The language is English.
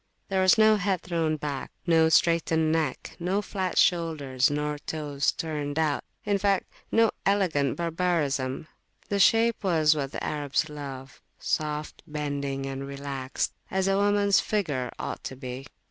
There was no head thrown back, no straightened neck, no flat shoulders, nor toes turned outin fact, no elegant barbarisms: the shape was what the Arabs love, soft, bending, and relaxed, as a womans [p.198] figure ought to be.